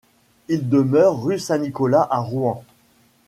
Il demeure rue Saint-Nicolas à Rouen.